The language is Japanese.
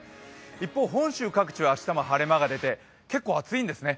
一方、本州各地は、晴れ間が出て結構暑いんですね。